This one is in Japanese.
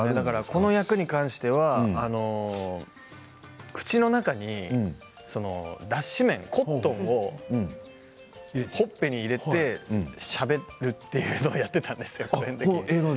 この役に関しては口の中に脱脂綿、コットンをほっぺに入れてしゃべるというのをやっていたんですよ。